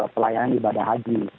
pelayanan ibadah haji